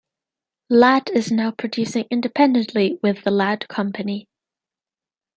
Ladd is now producing independently with The Ladd Company.